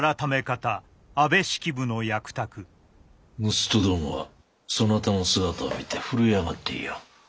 盗人どもはそなたの姿を見て震え上がっていよう。